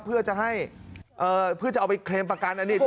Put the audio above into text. เพื่อจะให้เพื่อจะเอาไปเคลมประกันอันนี้